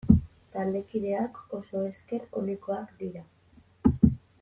Taldekideak oso esker onekoak dira.